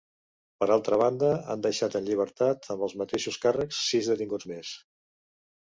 Per altra banda, han deixat en llibertat amb els mateixos càrrecs sis detinguts més.